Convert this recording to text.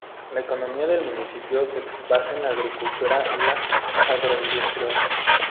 La economía del municipio se basa en la agricultura y la agroindustria.